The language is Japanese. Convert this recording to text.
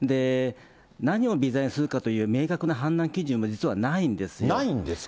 何を微罪にするかという明確な判断基準も、ないんですか？